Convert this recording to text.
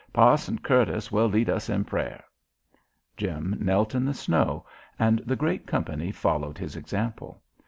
Pa'son Curtis will lead us in prayer." Jim knelt in the snow and the great company followed his example.